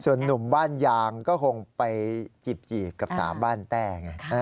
ส่วนหนุ่มบ้านยางก็คงไปจีบกับสาวบ้านแต้ไง